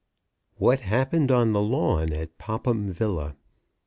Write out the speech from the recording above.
WHAT HAPPENED ON THE LAWN AT POPHAM VILLA.